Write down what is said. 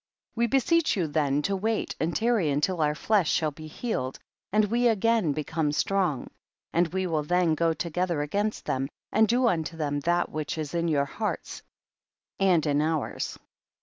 18. We beseech you then to wait and tarry until our flesh shall be healed and we again become strong, and we will then go together against them, and do unto them that which is in your hearts and in ours.